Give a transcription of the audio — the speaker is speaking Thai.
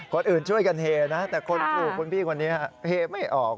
คนอื่นช่วยกันเฮนะแต่คนถูกคุณพี่คนนี้เฮไม่ออก